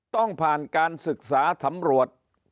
ต้องผ่านการศึกษาสำรวจ